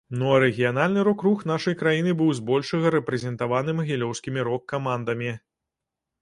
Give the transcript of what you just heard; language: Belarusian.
Ну а рэгіянальны рок-рух нашай краіны быў збольшага рэпрэзентаваны магілёўскімі рок-камандамі.